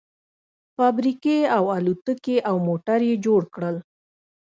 فابريکې او الوتکې او موټر يې جوړ کړل.